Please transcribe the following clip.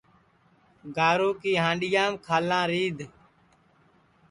گارو کی ہانڈؔیام کھالاں رِیدھ